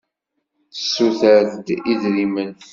Tessuter-d idrimen.